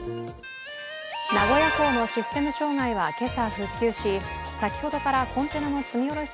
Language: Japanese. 名古屋港のシステム障害は今朝、復旧し先ほどからコンテナの積み降ろし